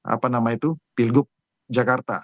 apa nama itu pilgub jakarta